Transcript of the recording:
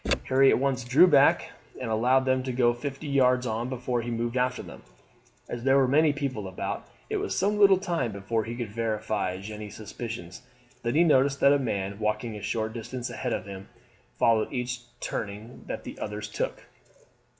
Harry at once drew back and allowed them to go fifty yards on before he moved after them. As there were many people about, it was some little time before he could verify Jeanne's suspicions; then he noticed that a man, walking a short distance ahead of him, followed each turning that the others took.